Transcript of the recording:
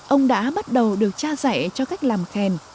ông đã bắt đầu được cha dạy cho cách làm khen